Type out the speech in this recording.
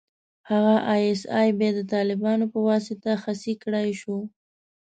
هغه ای اس ای بيا د طالبانو په واسطه خصي کړای شو.